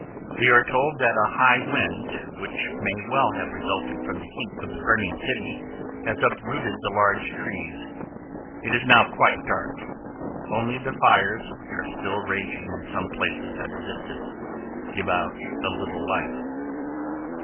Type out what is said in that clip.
We are told that a high wind, which may well have resulted from the heat of the burning city, has uprooted the large trees. It is now quite dark. Only the fires, which are still raging in some places at a distance, give out a little light.